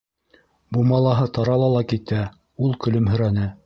Бумалаһы тарала ла китә, - ул көлөмһөрәне.